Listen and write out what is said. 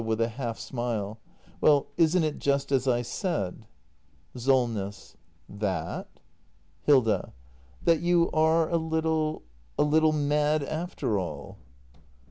[With a half smile.] Well, isn't it just as I said ? SOLNESS. That ? Hilda. That you area little — a little mad after all.